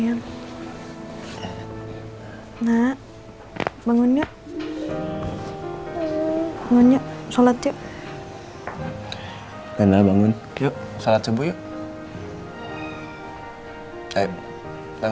tante seorang ngechat gue semalam